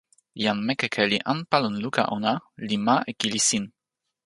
jan Mekeke li anpa lon luka ona, li ma e kili sin.